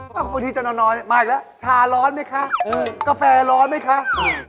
ปกติจะนอนมาอีกแล้วชาร้อนไหมคะอืมกาแฟร้อนไหมคะอืม